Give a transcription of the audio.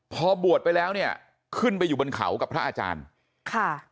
พอบวชไปแล้วเนี่ยขึ้นไปอยู่บนเขากับพระอาจารย์ค่ะ